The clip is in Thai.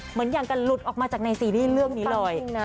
เหมือนอย่างกันหลุดออกมาจากในซีรีส์เรื่องนี้เลย